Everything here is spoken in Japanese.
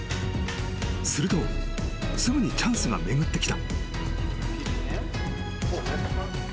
［するとすぐにチャンスが巡ってきた］